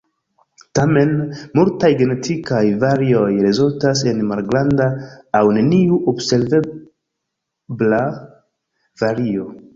Tamen, multaj genetikaj varioj rezultas en malgranda aŭ neniu observebla vario.